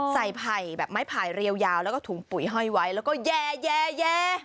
ไผ่แบบไม้ไผ่เรียวยาวแล้วก็ถุงปุ๋ยห้อยไว้แล้วก็แย่